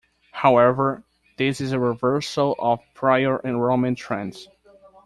However, this is a reversal of prior enrollment trends.